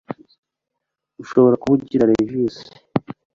Ushobora kuba ugira allergies